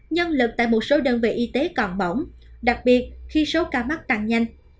nhân lực tại một số đơn vị y tế còn bỏng đặc biệt khi số ca mắc tăng nhanh